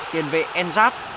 tiền vệ enzat